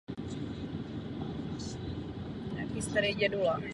Na severní straně obrácené do náměstí je vstupní portál umístěný ve středovém rizalitu.